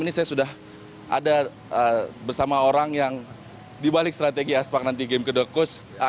ini saya sudah ada bersama orang yang dibalik strategi aspak nanti game kedokus